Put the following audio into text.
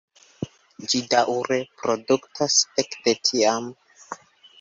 Ĝi daŭre produktas ekde tiam.